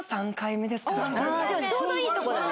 ああちょうどいいとこだね。